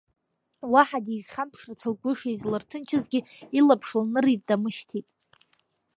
Уаҳа дизхьамԥшырц лгәы шизлырҭынчызгьы, илаԥш лнырит, дамышьҭит.